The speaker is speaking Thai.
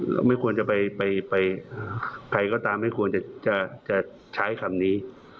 ไม่ควรจะไปใครก็ตามไม่ควรจะใช้คำนี้